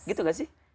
gitu gak sih